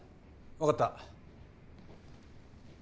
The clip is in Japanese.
分かった。